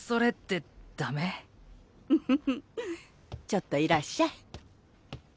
ちょっといらっしゃい。